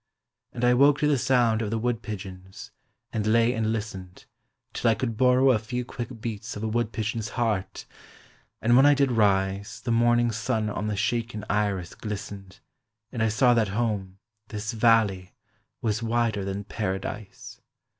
And I woke to the sound of the wood pigeons, and lay and listened, Till I could borrow A few quick beats of a wood pigeon's heart, and when I did rise The morning sun on the shaken iris glistened, And I saw that home, this valley, was wider than Paradise.